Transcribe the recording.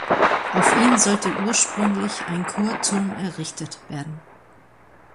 Auf ihn sollte ursprünglich ein Chorturm errichtet werden.